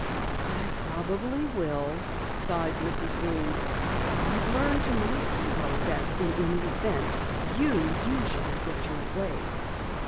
"I probably will," sighed Mrs. Weems. "I've learned to my sorrow that in any event you usually get your way."